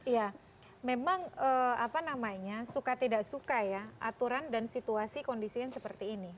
ya memang apa namanya suka tidak suka ya aturan dan situasi kondisinya seperti ini